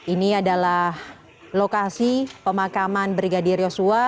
ini adalah lokasi pemakaman brigadir yosua